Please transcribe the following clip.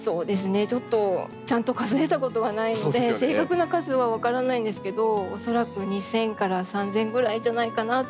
ちょっとちゃんと数えたことがないので正確な数は分からないんですけど恐らく２，０００から３，０００ぐらいじゃないかなと。